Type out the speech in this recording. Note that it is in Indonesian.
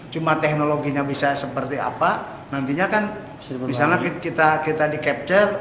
cuma teknologinya bisa seperti apa nantinya kan misalnya kita di capture